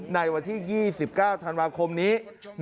ในวันที่๒๙ธันวาคมนี้